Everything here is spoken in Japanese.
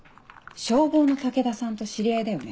消防の武田さんと知り合いだよね。